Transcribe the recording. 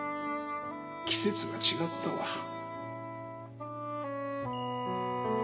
季節が違ったわ。